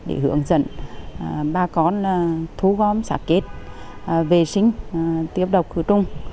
để hướng dẫn ba con thu gom sạch chết vệ sinh tiếp độc cứu trung